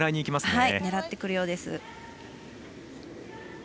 狙ってくるようです。